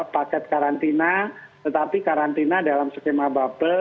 paket karantina tetapi karantina dalam skema bubble